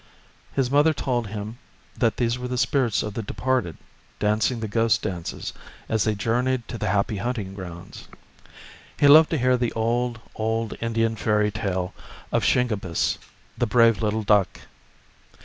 His mother told him that 15 The Story of Tecumseh these were the spirits of the departed dancing the ghost dances as they journeyed to the happy hunting grounds. He loved to hear the old, old Indian fairy tale of Shingebiss, the hrave little duck.